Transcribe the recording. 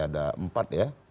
ada empat ya